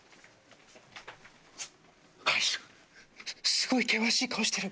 あっすごい険しい顔してる。